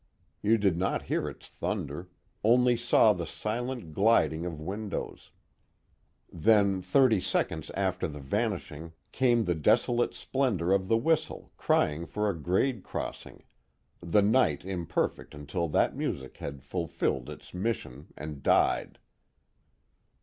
You did not hear its thunder, only saw the silent gliding of windows; then thirty seconds after the vanishing came the desolate splendor of the whistle crying for a grade crossing, the night imperfect until that music had fulfilled its mission and died.